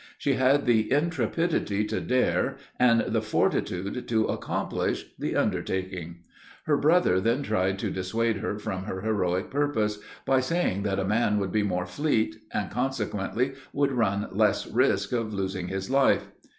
She had the intrepidity to dare, and the fortitude to accomplish the undertaking. Her brother then tried to dissuade her from her heroic purpose, by saying that a man would be more fleet, and consequently would run less risk of losing his life.